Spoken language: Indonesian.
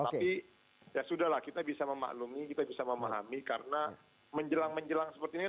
tapi ya sudah lah kita bisa memaklumi kita bisa memahami karena menjelang menjelang seperti ini